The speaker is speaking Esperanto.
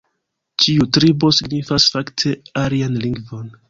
Ĉiu tribo signifas fakte alian lingvon.